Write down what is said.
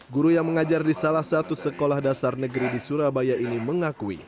guru yang mengajar di salah satu sekolah dasar negeri di surabaya ini mengakui